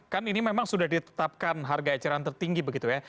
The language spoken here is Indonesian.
kan ini memang sudah ditetapkan harga eceran tertinggi begitu ya